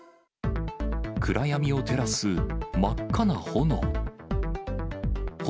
暗闇を照らす真っ赤な炎。